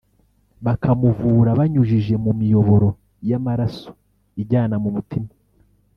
bakamuvura banyujije mu miyoboro y’amaraso ijyana mu mutima